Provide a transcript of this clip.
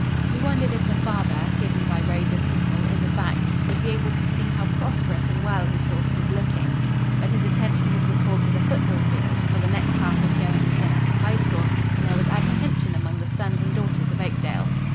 He wondered if the father, hidden by rows of people, in the back, would be able to see how prosperous and well his daughter was looking. But his attention was recalled to the football field, for the next half was going against the High School, and there was apprehension among the sons and daughters of Oakdale.